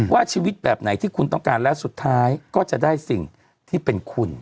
ว่าชีวิตแบบไหนที่คุณต้องการและสุดท้ายก็จะได้สิ่งที่เป็นคุณ